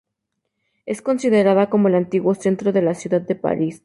Es considerada como el antiguo centro de la ciudad de París.